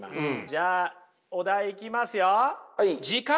じゃあお題いきますよ。